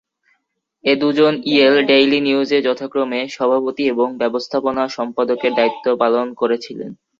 এ দু’জন Yale Daily নিউজে যথাক্রমে সভাপতি এবং ব্যবস্থাপনা সম্পাদকের দায়িত্ব পালন করেছিলেন।